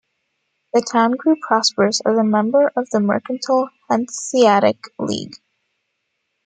The town grew prosperous as a member of the mercantile Hanseatic League.